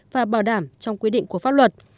và bảo đảm trong quy định của pháp luật